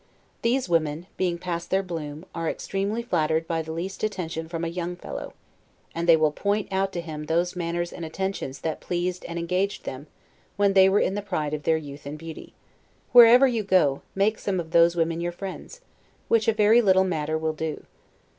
These women, being past their bloom, are extremely flattered by the least attention from a young fellow; and they will point out to him those manners and ATTENTIONS that pleased and engaged them, when they were in the pride of their youth and beauty. Wherever you go, make some of those women your friends; which a very little matter will do.